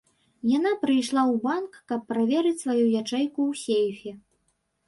Яна прыйшла ў банк, каб праверыць сваю ячэйку ў сейфе.